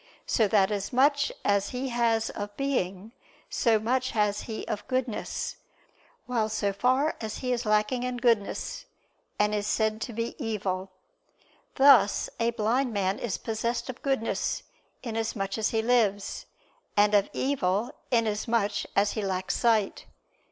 So that as much as he has of being, so much has he of goodness: while so far as he is lacking in goodness, and is said to be evil: thus a blind man is possessed of goodness inasmuch as he lives; and of evil, inasmuch as he lacks sight.